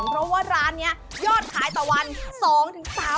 เพราะว่าร้านนี้ยอดขายต่อวัน๒๓๐๐บาท